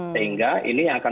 sehingga ini akan memulai